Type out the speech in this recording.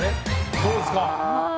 どうですか？